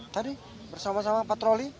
tadi bersama sama patroli